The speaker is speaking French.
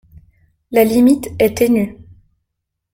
La limite est ténue.